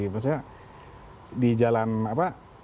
maksudnya di jalan apa